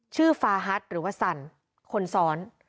ฟาฮัทหรือว่าสั่นคนซ้อน